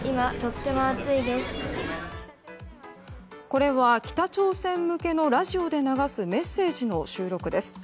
これは北朝鮮向けのラジオで流すメッセージの収録です。